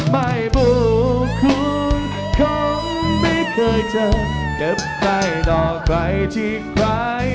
ไม่บุคคุณคงไม่เคยเจอกับใครต่อใครที่ใคร